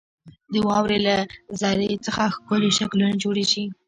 • د واورې له ذرې څخه ښکلي شکلونه جوړېږي.